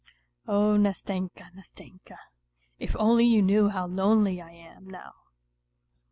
Oh, Nastenka, Nastenka ! If only you knew how lonely I am now